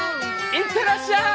いってらっしゃい！